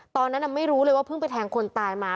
ตอนนั้นไม่รู้เลยว่าเพิ่งไปแทงคนตายมา